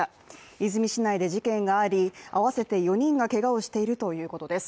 和泉市内で事件があり、合わせて４人がけがをしているということです。